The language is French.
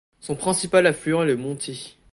Son principal affluent est le Monti.